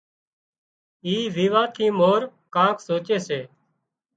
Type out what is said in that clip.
اِي ويوان ٿي مور ڪانڪ سوچي سي